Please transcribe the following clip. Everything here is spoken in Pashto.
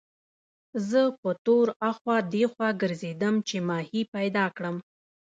زه په تور اخوا دېخوا ګرځېدم چې ماهي پیدا کړم.